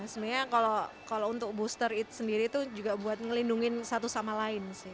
sebenarnya kalau untuk booster itu sendiri itu juga buat ngelindungi satu sama lain sih